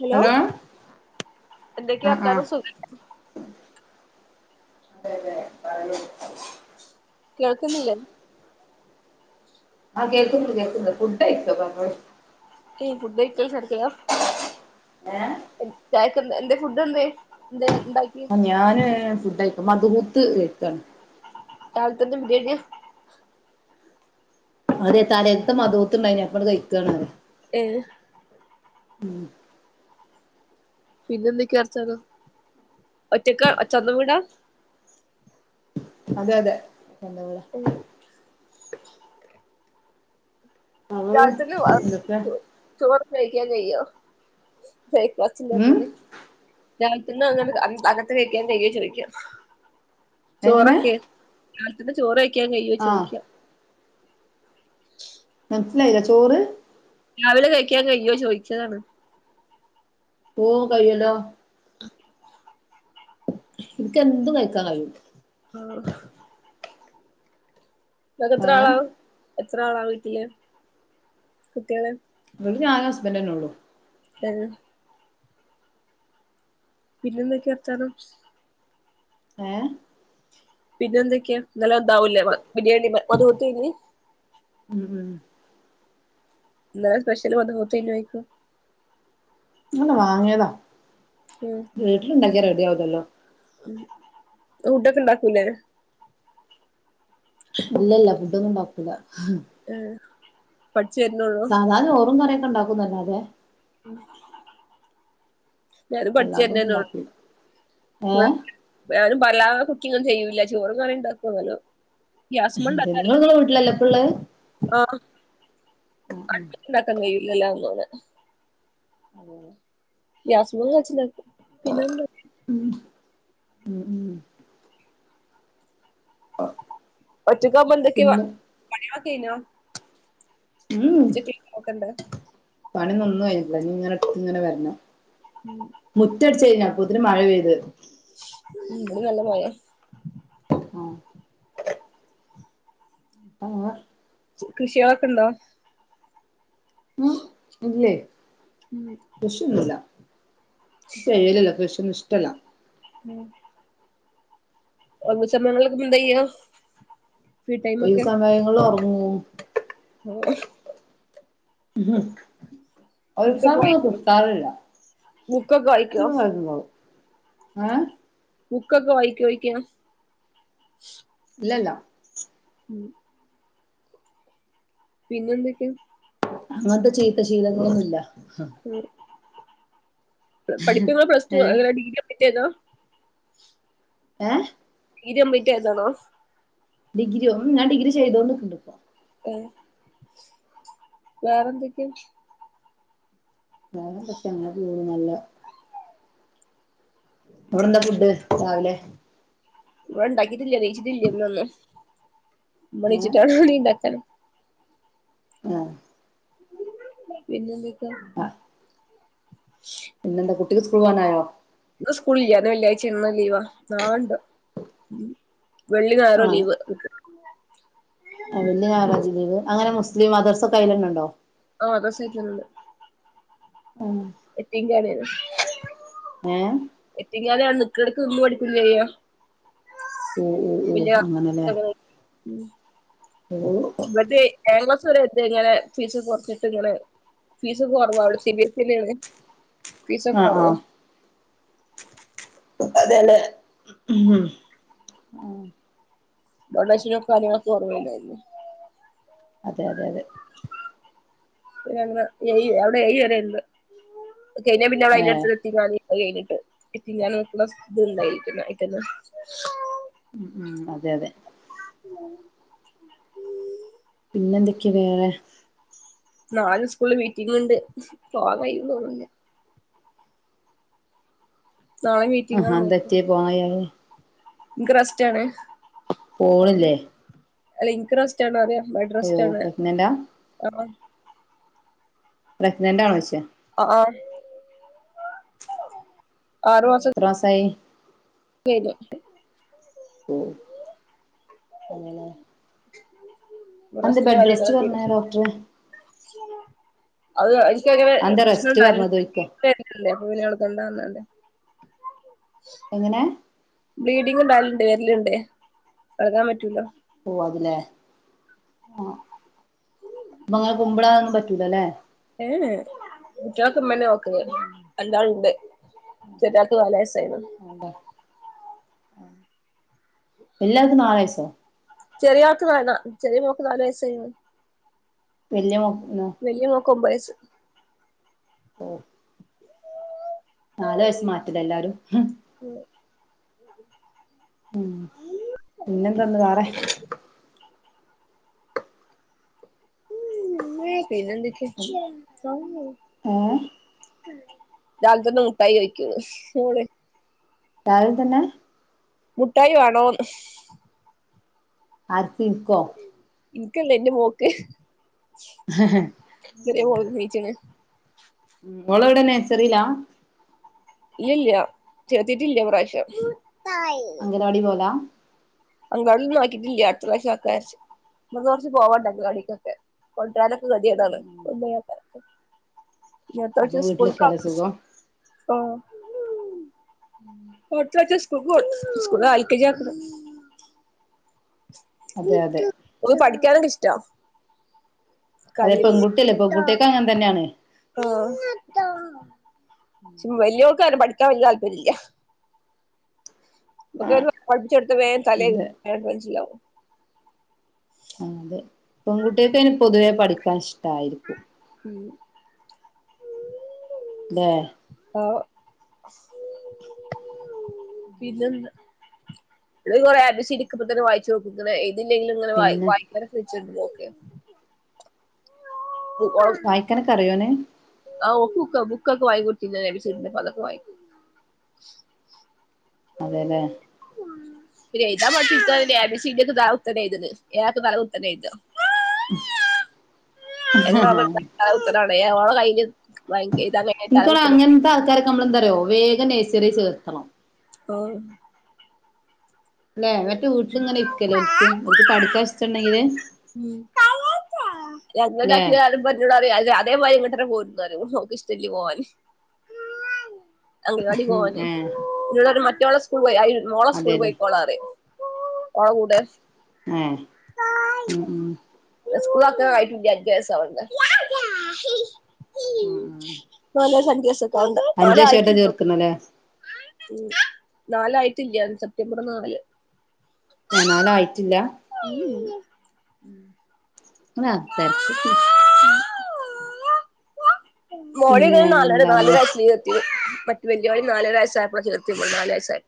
Hello എന്തൊക്കെ ആ ആ വർത്താനം സു പറഞ്ഞോളു കാൾക്കുന്നില്ലേ ആഹ് കേക്കുന്നുണ്ട് കേക്കുന്നുണ്ട് ഫുഡ് കയിക്ക പറഞ്ഞോ ഫുഡ് കയ്ക്കൽ നടക്ക്യാ ഏഹ് എ ചായക്ക് എന്തര് ഫുഡ് എന്തേ എന്ത് ഉണ്ടാക്കി ഞാന് ഫുഡയിക്ക മദുഹൂത്ത് കഴിക്കാണ് രാവിൽതന്നെ ബിരിയാണിയാ അതെ തലെന്നത്ത മദുഹൂത്തുണ്ടായിന് അപ്പങ്ങട് കഴിക്കാണ് ഏഹ് ഉം പിന്നെ എന്തൊക്കെയാ അച്ചാല ഒറ്റകാ സ്വന്തം വീടാ അതെ അതെ സ്വന്തം വീടാ ഉം അവ രാജത്തിന് എന്തൊക്കെ ചോറ് കഴിക്കാൻ കഴിയൊ ബ്രേക്ക്ഫാസ്റ്റ് ഉം ഇല്ലേച്ചാല്- രാവിലെ തന്നെ അങ്ങ് അങ്ങനത്ത് കഴിക്കാൻ കഴിയൊന്ന് ചോദിക്കാ- എങ്ങനെ ചോറൊക്കെ രാവിലെ തന്നെ ചോറ് കഴിക്കാൻ കഴിയുവോ ആ ചോദിക്കാ മനസ്സിലായില്ല ചോറ് രാവിലെ കഴിക്കാൻ കഴിയോ ചോദിച്ചതാണ് ഓഹ് കയ്യോല്ലോ ഇനിക്ക്ന്ത് കഴിക്കാൻ കഴിയും ആഹ് നിങ്ങക്ക് എത്ര ഏ ആളാ എത്ര ആളാ വീട്ടില് കുട്ടികള് ഇവിടെ ഞാന് ഹസ്ബന്റ് തന്നെ ഉള്ളൂ [unintelligible] പിന്നെ എന്തൊക്കെയാ വർത്താനം ഏഹ് പിന്നെ എന്തൊക്കെയാ നല്ല എന്താവൂലേ ബിരിയാണി മദ്ഹൂത്ത് എനി ഉം ഉം ഇന്നലെ സ്പെഷ്യൽ മദ്ഹൂത്ത് ആയിനൊ പോയ്ക്ക അല്ല വാങ്ങിയതാ വീട്ടിലുണ്ടാക്കിയാ റെഡി ആവതല്ലോ ങ്ങള് ഫുഡൊക്കെ ഉണ്ടാക്കൂലേ ഇല്ല ഇല്ല ഫുഡൊന്നും ഉണ്ടാക്കൂല ആഹ് പഠിച്ച് വരുന്നുള്ളു സാധാരണ ചോറുംകറിയൊക്കെ ഉണ്ടാക്കുന്നല്ലാതെ- ഉം ഞാനും പഠിച്ചു അല്ലാതൊന്നും വരണന്നേ ഉണ്ടാക്കൂല ഉള്ളൂ ഏഹ് ഞാനും പല കുക്കിങ്ങും ചെയ്യൂല്ല ചോറും കറി ഇണ്ടാക്കും അങ്ങനേ ഗ്യാസ്മേ അതെ ഇണ്ടാക്ക നിങ്ങള് നിങ്ങളെ [unintelligible] വീട്ടിലല്ലേ ഇപ്പള്ളെ ആഹ് അടുപ്പത്ത് ഇണ്ടാക്കാൻ കഴിയൂല്ല [unintelligible] അതന്നെ ഗ്യാസ്മന്ന് വച്ച് ഇണ്ടാക്കും പിന്നെ എന്താ ഉം ഉം ആഹ് ഒറ്റക്കാവുമ്പം എന്തൊക്കെയോ പണിയളൊക്കെ കഴിഞ്ഞോ ഉം ഉച്ചക്കുള്ള ഒക്കെണ്ട് പണി ഇനോന്നും കഴിഞ്ഞില്ല ഇങ്ങനെ ഇങ്ങനെ വെരണം ഉം മുത്തടിച്ച് കയിഞ്ഞ് അപ്പോത്തിന് മഴ പെയ്ത് ഉം ഇവടെ നല്ല മഴയാ ആഹ് ആഹ് ആഹ് കൃഷിയോക്കെ ഇണ്ടോ ഉം ഇല്ലേ ഉം കൃഷി ഒന്നുല്ല ചെയ്യലില്ല കൃഷി ഒന്നും ഇഷ്ടല്ല ഉം ഒയ്വ് സമയങ്ങളൊക്കെ എന്തയ്യാ ഈ സമയങ്ങള് ഒറങ്ങൂ [unintelligible] ഇഹ് ഒരു ബുക്കൊക്കെ [unintelligible] വായിക്കോ കിട്ടാറില്ല ബുക്കൊക്കെ വായിക്കോ [unintelligible] ഏ ബുക്കൊക്കെ വായിക്കോഴിക്ക? ഇല്ലല്ല ഉം പിന്നെ എന്തൊക്കെയ അങ്ങത്തെ ചീത്ത ശീലങ്ങളൊന്നുല്ല ഉം പഠിപ്പിക്കണത് പ്ലസ് ടു വ ഏഹ് അതോ. ഡിഗ്രി [unintelligible] ഏയ് [unintelligible] കംപ്ലീറ്റായതാണോ? ഡിഗ്രിയോ ഉം ഞാൻ ഡിഗ്രി ചെയ്തോണ്ട് നിക്ക്ണ്ട്പ്പോ ഏയ് വേറെന്തൊക്കെയാ? വേറെന്തൊക്കെ അങ്ങനെ പോണു നല്ലേ അവടെന്താ ഫുഡ് രാവിലെ? ഇവടെ ഇണ്ടാക്കിട്ടില്ല നീയിച്ചിട്ടില്ല ഇന്നൊന്നും ഇമ്മ ഏഹ് നിച്ചിട്ടാണ് ഇനി ഇണ്ടാക്കാന് ആഹ് പിന്നെ എന്തൊക്കെയാ? ആഹ് പിന്നെന്താ കുട്ടിക്ക് സ്കൂള് പോവാനായോ? ഇന്ന് സ്കൂളില്ല ഇന്ന് വെള്ളിയാഴ്ച ഇന്ന് ലീവാ നാളെ ഇണ്ട് വെള്ളിം ഞയറുവാ ലീവ് ആ [unintelligible] അങ്ങനെ മുസ്ലീം മദ്രസ ഒക്കെ അയിലന്നെ ഇണ്ടോ? ആഹ് [unintelligible] ആഹ് യത്തീംഖാനേണ് ഏഹ് യത്തീംഖാന അവടെ നിക്കടക്ക് നിന്ന് ഓഹ് ഓഹ് ഓഹ് അങ്ങനെല്ലേ [unintelligible] ഉം ഓ ഇമ്പടെയ് [unintelligible] ഇങ്ങലെ ഫീസ് കൊറച്ചിട്ട് ഇങ്ങനെ ഫീസ് കൊറവാണ് സിബിഎസ്ഇ തന്നെയാണ് ഫീസ് ആഹ് കൊറവാ ആഹ് അതേല്ലേ ഉം ആഹ് ഡൊണേഷ്യയ കാര്യങ്ങളൊക്കെ ഓർമയുണ്ടായിരുന്നു അതെ അതെ അതെ പിന്നെ അങ്ങനെ ഏയ് അവിടെ വരെയുണ്ട് അത് കഴിഞ്ഞ പിന്നെ അതിന് ഏഹ് അനുസരിച്ച് യതീങ്ങാഞ്ഞി അത് കഴിഞ്ഞിട്ട് യതീംഖാന നൊക്ക്ണെസ്കൂൾ ഇണ്ടായിരുന്ന ആയിതെന്നെ ഉം ഉം അതെ അതെ പിന്നെ എന്തൊക്കെ വേറെ നാല് സ്കൂള് മീറ്റിംഗ് ഇണ്ട് പോവാ കായിന്ന് തോന്നുന്നില്ല. നാളെ മീറ്റിംഗ് ആഹ് എന്താ പറ്റിയെ പോകാൻ കയതേ ഇക്ക് റെസ്റ്റാണേ അപം പോണില്ലേ അല്ല ഇൻക് റെസ്റ്റ് സ്റ്റ പറഞ്ഞാല് ബെഡ് അയ്യോ റെസ്റ്റാണ് പ്രഗ്നന്റാ അപ്പൊ പ്രെഗ്നന്റ് ആണോ ചോയ്ച്ചേ ആഹ് ആര് ആറ് മാസം എത്ര മാസായി കഴിഞ്ഞിട്ട് ഉം അങ്ങനെ റെസ്റ്റിന് റെസ്റ്റ് പറഞ്ഞേ ഡോക്ടർ [unintelligible] അത് എനിക്ക് അങ്ങനെ അതെന്താ പ്രശ്നം റെസ്റ്റ് ഇണ്ടായിന് പറഞ്ഞത് ചോയ്ക്ക കേട്ടിട്ടില്ലേ പൂനി അളക്കണ്ട പറഞ്ഞണ്ട് എങ്ങനെ ബ്ലീഡിങ് ഇണ്ടാവലുണ്ട് വരലുണ്ട് അളക്കാൻ പറ്റൂല്ല ഓ അതില്ലേ ഉം പഅപ്പൊ അങ്ങനെ കുമ്പിടാനൊന്നും പറ്റൂലല്ലേ ഏ ഏ കുട്ട്യാളൊക്കെ ഇമ്മന്നെ നോക്ക്ണെ അല്ലാള്ണ്ട് ചെറിയാൾക്ക് നാല് വയസായിണ് എന്താ എല്ലാവർക്കും നാല് വയസോ ചെറിയ ആക്ക് നല്ല ചെറിയ മോൾക്ക് നാല് വയസ്സായിണ്ട് വല്യ മോൾക് ങ്ങ് വെല്ല്യ മോക് ഒമ്പത് വയസ് ഓ നാല് വയസ്സ് മാറ്റലേ എല്ലാരും ഉം ഉം പിന്നെന്തന്ന് വേറെ ഏയ് പിന്ന നഎന്തൊക്കെ ഏ രാവിലെതന്നെ മുട്ടായി ചോയ്ക്ക്ണ് മോള് രാവിലത്തെന്നെ മുട്ടായി വാണോന്ന് ആർക്ക് ഇൻകോ ഇനിക്കല്ല ഇന്റെ മോക്ക് ചെറിയ മോള് നീച്ച്ണ് ഉം മോള് എവിടെ നേഴസറിയിലാ ഇല്ലല്ല ചേരത്തിട്ടില്ല ഈ പ്രാവശ്യം അംഗനവാടി പോവല അംഗവാടിലൊന്നും ആക്കിട്ടില്ല അടുത്ത പ്രാവശ്യംക അക്കച്ച് നമുക്ക് കുറച്ച് പോവാണ്ട് അംഗളവാടിക്കൊക്കെ കൊണ്ട്രാനൊക്കെ കെതിയേടാണ് പിന്നെ വേറെ ഇനി അടുത്ത അപ്പൊ പ്രാവിശ്യം സ്കൂൾക്ക് വീട്ടിലിക്കാല്ലേ അക്ക് സുഖം ആഹ് അട്ത്താഴ്ച സ് സ്കൂൾക്ക് പോവ് ആഹ് എൽ കെ ജി ചേർക്കണം അതെ അതെ ഓക്ക് പഠിക്കാനൊക്കെ ഇഷ്ടാ അതെ ഇക്കാതിരുന്ന് പെൺകുട്ടിയല്ലേ പെൺകട്ടിയാക് അങ്ങനെ തന്നെയാണ്. ആഹ് ച്ചും, വലിയോൾക്ക് അങ്ങനെ പഠിക്കാൻ വല്യയ താല്പര്യല്ല. [unintelligible] തലേനിക്കും അതെ വേഗം മനസ്സിലാവും. ആഹ് അതെ പെൺകുട്ടിയാക്കയ്ന് പൊതുവേ പഠിക്കാൻ ഇഷ്ടായിരിക്കും. ഉം ലെ? ആഹ് പിന്നെന്താ? [unintelligible] എഴുതില്ലെങ്കിലും ഇങ്ങനെ പിന്നെ വായിക്കും. [unintelligible] വായിക്കാനൊക്ക അറിയോന്? [unintelligible] അതെല്ലേ പിന്നെഴുതാ മറ്റാത്ത് താത്തനത എ ഒഒക്കെ തല കുത്തനെ എയ്ത ഉം [unintelligible] നമ്മളെന്താറയോ വേഗ നഴ്സറി ചേർത്തണം ഓഹ് അല്ലേ വറ്റേ വീട്ടില ഇങ്ങനെ ഇക്കല്ലേ അവക്ക് അവക്ക് പടിക്കാശഷ്ടുണ്ടെങ്കില് [unintelligible] [unintelligible] ല്ലേ അതേമാതിരി ഇങ്ങോട്ടന്നെ പോരൂന്ന നോക്ക ഇഷ്ടല്ലി പോവാന് അങ്കൽ വാടി പോവാനെ ഏഹ് ന്നോടാറിം മറ്റേളെ സ്കൂൾ പോയി മോളെ സ്കൂൾ അതെല്ലേ പോയിക്കോളാറിം ഓളെ കൂടെ ഏഹ് ഉം ഉം സ്കൂളൊക്കെ [unintelligible] ഉം ഉം നല്ല സന്യാസൊക്കെണ്ട് അഞ്ച് വർഷായിട്ടാ നാലായിട്ടില്ല ഓൾക്ക് ചേർത്തണല്ലേ ഉം നാലായിട്ടില്ല സെപ്റ്റംബർ നാല് എഹ് നാലായിട്ടില്ല ഉം ഉം [unintelligible] പിന്നെ മോളികൾ നാലര എന്താണ് നാലരാഴ്ച ചീതത്തി മറ്റ വലിയ മളി നാലരരാസ്സ ആയപ്പോ ചത്തി നാലല് വയസയ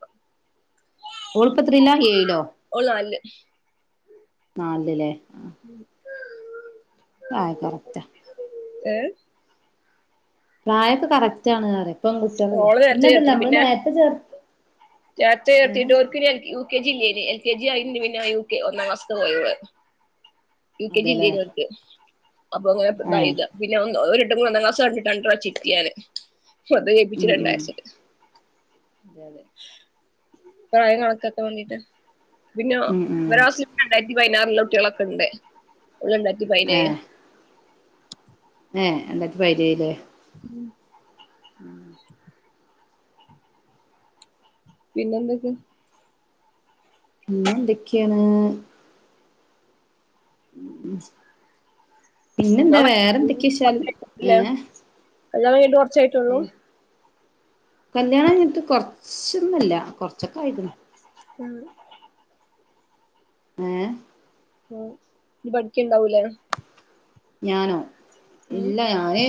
ഓള്പ്പൊ എത്രീല ഏഴിലോ ഓള് നാലിൽ നാല്ല് ല്ലെ [unintelligible] ആയ കറക്റ്റ ഏഹ് പ്രായൊക്കെ കറക്റ്റ് ആണ് പറയാ ഓള ചത്ത് ചേർത്തിട്ട് പിന്നെ ചേർ ചത്ത് ഏഹ് ചേർത്തിട്ട് ഒർക്കിന യ കെ ജില്ലന് എൽ കെ ജി ആയിന് പിന്നെ യു കെ ഒന്നാം മാസത്തെ പോയ യു കെ അതെല്ലേ ജില്ലയി അപ്പൊ ഏഹ് അങ്ങനെതായതാ [unintelligible] ഉം ഉം [unintelligible] അതെ അതെ പ്രായം കണക്കക്കാൻ വേണ്ടീട്ട് പിന്നെ ഉം ഉം ഒരുവസ രണ്ടായിരത്തി പതിനാറിില കുട്ടികളൊക്കെ ഉണ്ട് ഓള് രണ്ടായിരത്തി പതിനേഴ് ഏഹ് ഏഹ് രണ്ടായിരത്തി പതിനേഴ് ല്ലെ ഉം ഉം പിന്നെന്തൊക്കെ പിന്നെന്തൊക്കെണ് പിന്നെന്താ വേറെന്തൊക്കെശാൽ ഏഹ് കല്യാണം കഴിഞ്ഞിട്ട് കൊർച് ആട്ടുള്ളൂ കല്യാണം കയ്ഞ്ഞിട്ട് കൊർച്ചൊന്നല്ല കൊർച്ചൊക്കായ്ക്ക്ണ്. ആഹ് ഏഹ് ഉ ഇയ് പഠിക്ക്ണ്ടാവുലേ? ഞാനോ ഉം ഇല്ല ഞാന്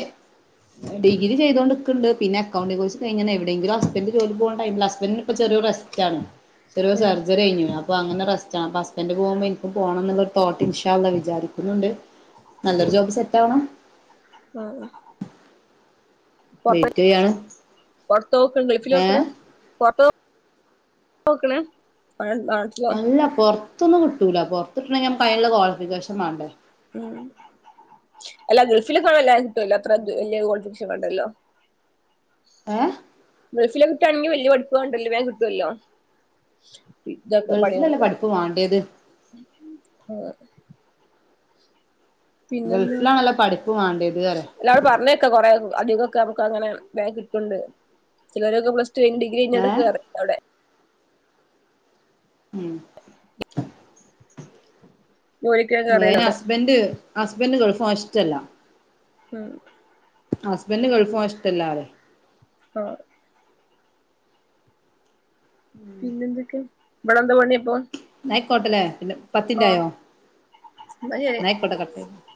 ഡിഗ്രി ചെയ്തോണ്ട്ക്ക് ണ്ട്, പിന്നക്കൗണ്ട് കോഴ്സ് കയ്ഞ്ഞ്ണ്, എവിടെങ്കിലും ഹസ്ബൻഡ് ജോലിക്ക് പോകാൻ ടൈമില്ല. ഹസ്ബൻറിന് ഇപ്പൊ ചെറിയൊര് റസ് റ്റാണ്. ചെറ്യോര് സർജറി കഴിഞ്ഞ്ണ്. അ അപ്പൊ അങ്ങനെ റസ്റ്റാണ്. അപ്പൊ ഹസ്ബന്റ് പോകുമ്പോ ഇൻക്കും പോണംന്നുള്ളൊരു തോട്ട് ഇൻഷാ അള്ളാ വിചാരിക്കുന്നുണ്ട്. നല്ലൊരു ജോബ് സെറ്റാവണം. ആഹ് ആഹ് വെയിറ്റ് ചെയ്യാണ് [unintelligible] പൊർത്താ നോക്ക്ണ് ഗൾഫിലോക്ക്ണ്? ഏഹ് പൊർത്തൊ ക്ക്ണ് അതെന്താ അല്ല പൊർത്തൊന്നും കിട്ടൂല, പൊർത്ത്ട്ടണെങ്കി ഞമ്മക്ക് അയിന്ള്ള ക്വാളിഫിക്കേഷൻ മാണ്ടേ. ഉം അല്ല ഗൾഫിലൊക്കാണെ എല്ലാരും കിട്ടൊല്ലോ, അത്ര വൽയൊരു കോളിഫികേഷൻ വേണ്ടല്ലോ ഏഹ് ഗൾഫില് കിട്ടാണെങ്കി വല്യ പഠിപ്പ് വാണ്ടല്ലോ, വേം കിട്ട്വല്ലോ ഗൾഫിലല്ലേ പഠിപ്പ് വാണ്ടിയത് [unintelligible] ആഹ് ഗൾഫിലാണല്ലോ പഠിപ്പ് വാണ്ടേത് പറ്യ. എല്ലാരും പർഞ്ഞേക്ക കൊറേ അധികൊക്കെ നമുക്കങ്ങനെ വേം കിട്ട്ണ്ട്. ചെലരൊക്കെ പ്ലസ്ടു കയ്ഞ്ഞ് ഡിഗ് ഗ്രി കയ്ഞ്ഞാണ്ട് ഏഹ് കേറ ഉം. ജോലിക്കൊക്കെ കേറിയല്ലോ [unintelligible] അവിടെ ഹസ്ബന്റ് ഹസ്ബൻഡ് ഗൾഫ് പോവാൻ ഇഷ്റ്റല്ല. ഉം ഹസ്ബൻഡ് ഗൾഫ് പോവാൻ ഇഷ്ടല്ലാ [unintelligible] ആഹ് പിന്നെന്തെക്കെ, ഇബടെന്ത പണി അപ്പോ? ന്നായ്ക്കോട്ടലേ, പിന്നെ പത്തിൻ റ്റായോ? ഇന്നാ ശരി ഇന്നായ്ക്കോട്ടെ കട്ട [unintelligible]